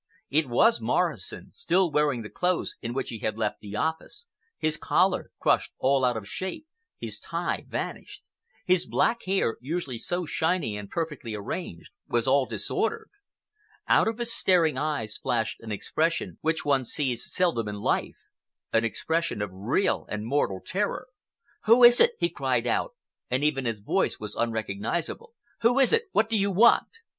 It was Morrison, still wearing the clothes in which he had left the office, his collar crushed out of all shape, his tie vanished. His black hair, usually so shiny and perfectly arranged, was all disordered. Out of his staring eyes flashed an expression which one sees seldom in life,—an expression of real and mortal terror. "Who is it?" he cried out, and even his voice was unrecognizable. "Who is that? What do you want?"